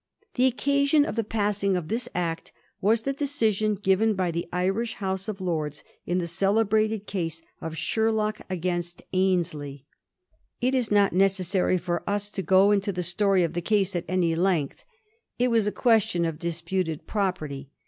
The occasion of the passing of this Act was the decision given by the Irish House of Lords in the celebrated cause of Sher lock against Annesley. It is not necessary for us to go into the story of the case at any length. It was a question of disputed property.